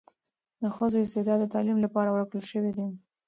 د ښځو استعداد د تعلیم لپاره ورکړل شوی دی.